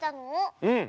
うん。